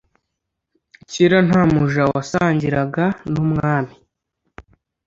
Kera nta muja wasangiraga n' umwami